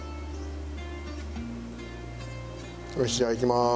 よしじゃあいきます。